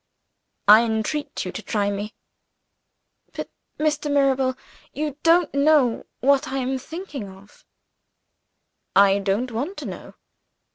"I entreat you to try me!" "But, Mr. Mirabel, you don't know what I am thinking of." "I don't want to know."